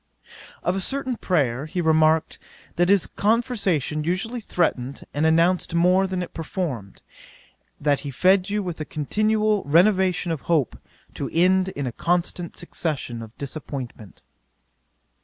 'Of a certain player he remarked, that his conversation usually threatened and announced more than it performed; that he fed you with a continual renovation of hope, to end in a constant succession of disappointment.